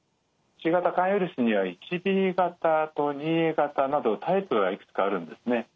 Ｃ型肝炎ウイルスには１ｂ型と２ａ型などタイプがいくつかあるんですね。